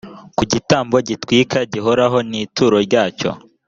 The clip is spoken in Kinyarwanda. ku gitambo gitwikwa gihoraho n’ituro ryacyo